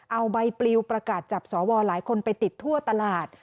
เอาใบปลิวประกาศจับสวหลายคนไปติดทั่วตลาด